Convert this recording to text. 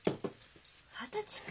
二十歳か。